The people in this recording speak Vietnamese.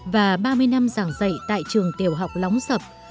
và ba mươi năm giảng dạy tại trường tiểu học lóng sập